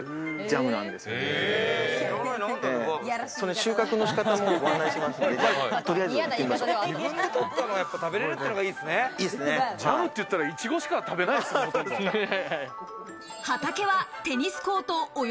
ジャムっていったら、いちごしか食べないですよ。